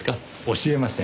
教えません。